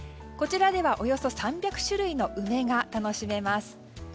こちらでは、およそ３００種類の梅が楽しめます。